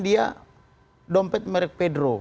dia dompet merek pedro